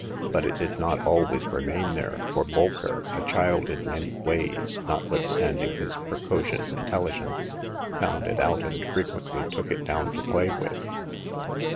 But it did not always remain there, for Bolker, a child in many ways, notwithstanding his preco cious intelligence, found it out, and frequently took it down to play with.